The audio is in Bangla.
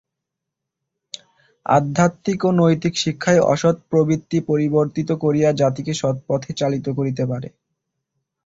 আধ্যাত্মিক ও নৈতিক শিক্ষাই অসৎ প্রবৃত্তি পরিবর্তিত করিয়া জাতিকে সৎপথে চালিত করিতে পারে।